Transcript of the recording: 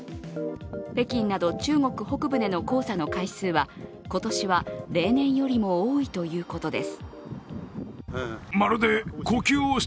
北京など中国北部での黄砂の回数は今年は例年よりも多いということです。